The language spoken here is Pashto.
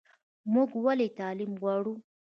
موږ ولې تعلیم غواړو؟